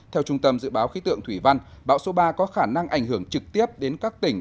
theo trung tâm dự báo khí tượng thủy văn bão số ba có khả năng ảnh hưởng trực tiếp đến các tỉnh